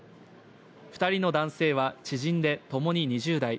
２人の男性は知人で共に２０代。